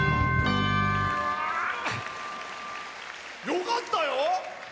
よかったよ！